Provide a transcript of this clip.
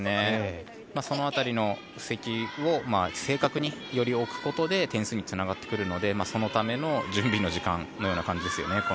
その辺りの布石を正確により置くことで点数につながってくるのでそのための準備の時間のようですね